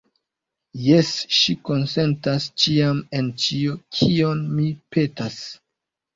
Jes, ŝi konsentas ĉiam en ĉio, kion mi petas.